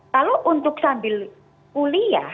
kalau untuk sambil kuliah